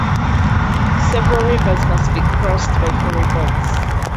Several rivers must be crossed by ferry boats.